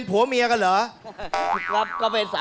เค้ไรนะ